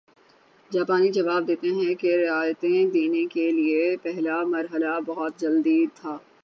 جاپانی جواب دیتے ہیں کہ رعایتیں دینے کے لیے پہلا مرحلہ بہت جلدی تھا